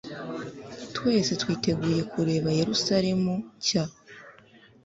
twese twiteguye kurebe yerusalemu nshya